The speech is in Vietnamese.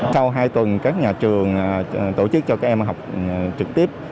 sau hai tuần các nhà trường tổ chức cho các em học trực tiếp